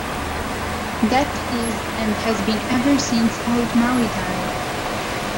Death is and has been ever since old Maui died.